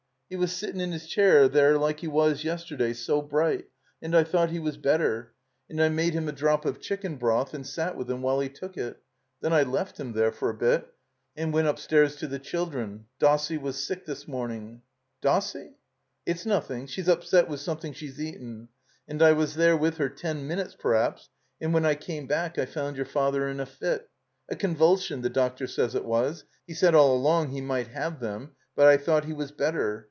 "He was sittin' in his chair there like he was yesterday — so bright — and I thought he was better, and I made him a drop of chicken broth and sat with him while he took it. Then I left him there for a bit and went upstairs to the children — Dossie was sick this morning —" "Dossie—?" "It's nothing — she's upset with something she's eaten — ^and I was there with her ten minutes per'aps, and when I came back I found your Father in a fit. A convulsion, the doctor says it was; he said all along he might have them, but I thought he was better.